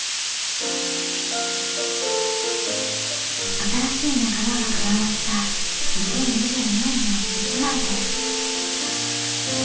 新しい仲間が加わった２０２２年の１枚です。